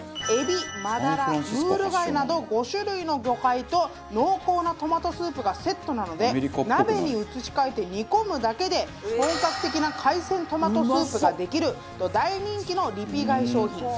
エビ真鱈ムール貝など５種類の魚介と濃厚なトマトスープがセットなので鍋に移し替えて煮込むだけで本格的な海鮮トマトスープができると大人気のリピ買い商品。